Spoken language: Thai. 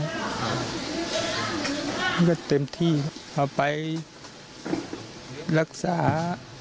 แล้วก็เต็มที่เอาไปรักษา